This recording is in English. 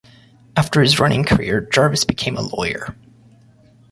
After his running career, Jarvis became a lawyer.